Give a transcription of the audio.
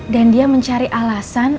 dan dia mencari alasan